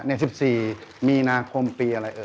ใน๑๔เมปีอะไรเอ้ย